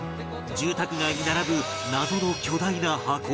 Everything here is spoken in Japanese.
住宅街に並ぶ謎の巨大な箱